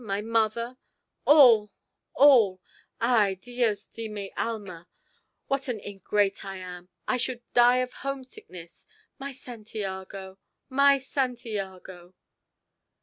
my mother! all! all! Ay, Dios de mi alma! what an ingrate I am! I should die of homesickness! My Santiago! My Santiago!"